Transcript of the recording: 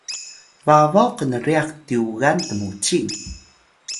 babaw knryax tyugal tmucing